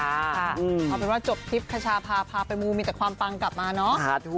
เอาเป็นว่าจบทริปคชาพาพาไปมูมีแต่ความปังกลับมาเนอะ